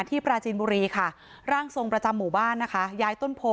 ปราจีนบุรีค่ะร่างทรงประจำหมู่บ้านนะคะย้ายต้นโพ